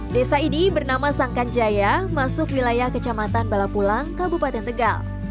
desa ini bernama sangkan jaya masuk wilayah kecamatan balapulang kabupaten tegal